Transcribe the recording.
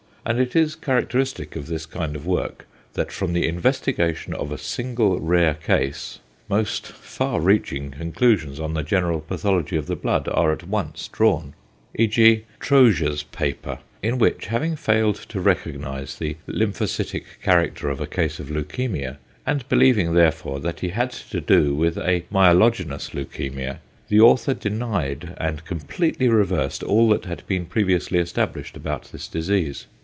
And it is characteristic of this kind of work that from the investigation of a single rare case, most far reaching conclusions on the general pathology of the blood are at once drawn; e.g. Troje's paper, in which having failed to recognise the lymphocytic character of a case of leukæmia, and believing therefore that he had to do with a myelogenous leukæmia, the author denied and completely reversed all that had been previously established about this disease.